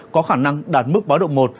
có khả năng đạt mức báo động một